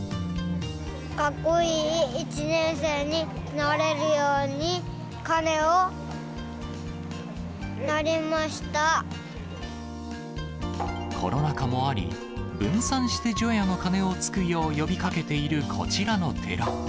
かっこいい１年生になれるように、コロナ禍もあり、分散して除夜の鐘をつくよう呼びかけているこちらの寺。